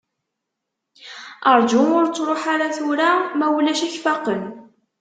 Rju, ur ttruḥ ara tura, ma ulac ad k-faqen.